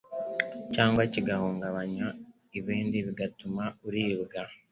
cyangwa kigahungabanya ibindi bigatuma uribwa